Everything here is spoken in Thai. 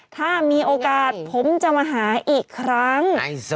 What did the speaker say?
ถ้ามีโอกาสผมจะมาหาอีกครั้ง